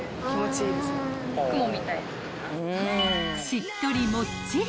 ［しっとりもっちり］